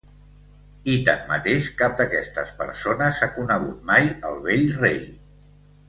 I, tanmateix, cap d'aquestes persones ha conegut mai el vell rei.